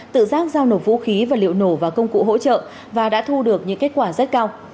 tự giác giao nộp vũ khí và liệu nổ và công cụ hỗ trợ và đã thu được những kết quả rất cao